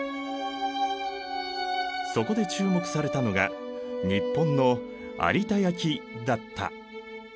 そこで注目されたのが日本の有田焼だった。